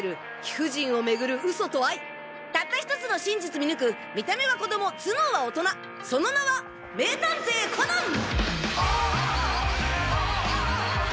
貴婦人をめぐる嘘と愛たった１つの真実見抜く見た目は子供頭脳は大人その名は名探偵コナン！